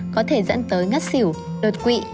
có thể dẫn tới ngất xỉu đột quỵ